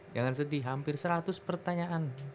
jangan sedih hampir seratus pertanyaan